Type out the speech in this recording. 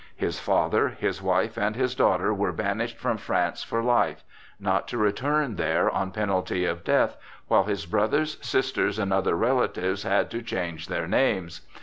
His father, his wife, and his daughter were banished from France for life, not to return there on penalty of death, while his brothers, sisters, and other relatives had to change their names.